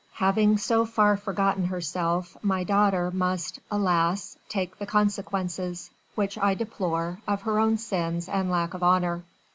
Having so far forgotten herself my daughter must, alas! take the consequences, which I deplore, of her own sins and lack of honour."